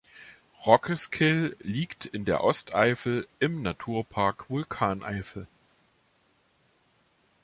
Rockeskyll liegt in der Osteifel im Naturpark Vulkaneifel.